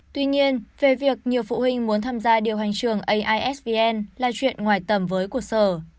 tuy nhiên về việc nhiều phụ huynh muốn tham gia điều hành trường aisvn là chuyện ngoài tầm với của sở